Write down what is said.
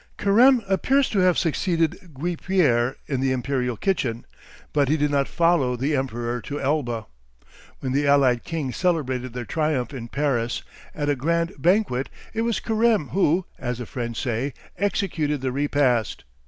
Carème appears to have succeeded Guipière in the Imperial kitchen, but he did not follow the Emperor to Elba. When the allied kings celebrated their triumph in Paris at a grand banquet, it was Carème who, as the French say, "executed the repast."